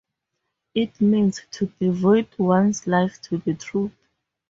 It means, To devote one's life to the truth.